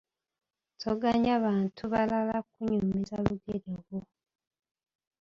Toganya bantu balala kkunyumiza lugero lwo.